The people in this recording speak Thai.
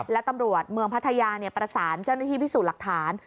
และตำรวจเมืองพัทยาประสานเจ้าหน้าที่พิสูจน์หลักฐาน